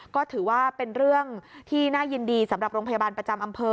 ก็ถือว่าเป็นเรื่องที่น่ายินดีสำหรับโรงพยาบาลประจำอำเภอ